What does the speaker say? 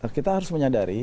kita harus menyadari